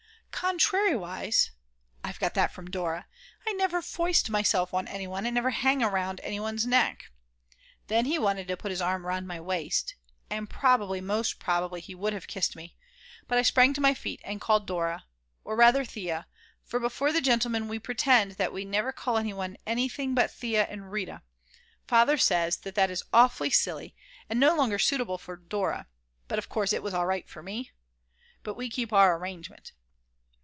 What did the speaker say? "Contrariwise (I've got that from Dora), I never foist myself on anyone, and never hang around anyone's neck." Then he wanted to put his arm round my waist (and probably, most probably, he would have kissed me), but I sprang to my feet and called Dora or rather Thea, for before the gentlemen we pretend that we never call one another anything but Thea and Rita. Father says that that is awfully silly, and no longer suitable for Dora (but of course it was alright for me!), but we keep to our arrangement.